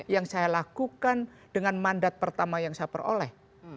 yang saya lakukan dengan mandat pertama yang saya peroleh